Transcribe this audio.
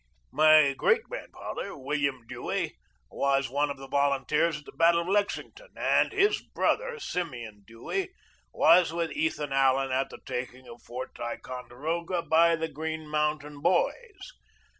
My great grandfather, William Dewey, was one of the volunteers at the battle of Lexington, and his brother, Simeon Dewey, was with Ethan Allen at the taking of Fort Ticonderoga by the Green Moun tain Boys.